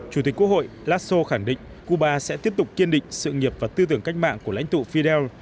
chủ tịch quốc hội laso khẳng định cuba sẽ tiếp tục kiên định sự nghiệp và tư tưởng cách mạng của lãnh tụ fidel